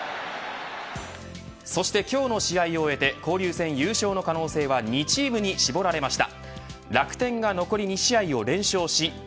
そして今日の試合を終えて交流戦優勝の可能性は２チームに絞られました。